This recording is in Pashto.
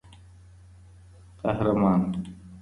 قهرمان